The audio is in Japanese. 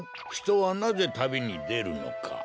ひとはなぜたびにでるのか。